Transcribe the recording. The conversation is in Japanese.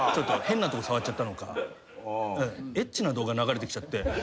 変なとこ触っちゃったのかエッチな動画流れてきちゃって。